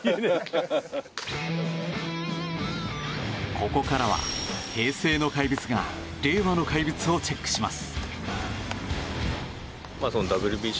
ここからは平成の怪物が令和の怪物をチェックします。